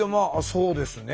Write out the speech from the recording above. そうですね。